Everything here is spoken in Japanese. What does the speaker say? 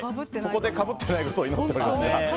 ここでかぶってないことを祈っております。